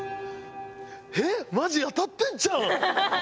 えっまじ当たってんちゃうん！？